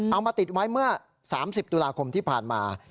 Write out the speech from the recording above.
เอามาติดไว้เมื่อ๓๐ตุลาคมที่ผ่านมา